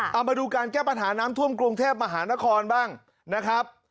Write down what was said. เอามาดูการแก้ปัญหาน้ำท่วมกรุงเทพมหานครบ้างนะครับ